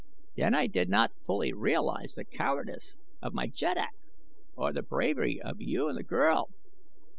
"Then I did not fully realize the cowardice of my jeddak, or the bravery of you and the girl.